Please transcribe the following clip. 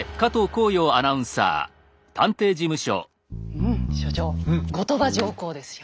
うん所長後鳥羽上皇ですよ。